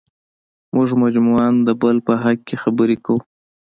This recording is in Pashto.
موږ مجموعاً د بل په حق کې خبرې کوو.